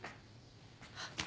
あっ。